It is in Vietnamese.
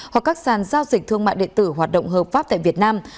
hoặc các sàn giao dịch thương mại điện tử hoạt động hợp pháp tại việt nam